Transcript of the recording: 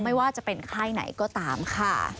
ไม่ว่าจะเป็นค่ายไหนก็ตามค่ะ